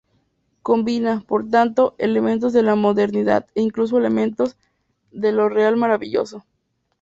Combina, por tanto, elementos de la modernidad e incluso elementos de lo real-maravilloso.